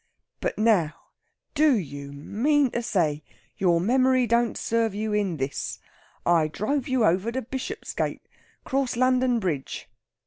But now, do, you, mean to say your memory don't serve you in this? I drove you over to Bishopsgate, 'cross London Bridge.